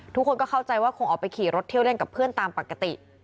ทุกคนก็เข้าใจว่าคงออกไปขี่รถเที่ยวเล่นกับเพื่อนตามปกติ